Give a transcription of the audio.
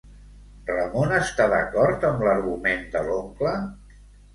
Ramon està d'acord amb l'argument de l'oncle?